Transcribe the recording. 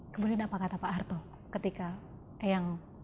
kemudian apa kata pak harto ketika eyang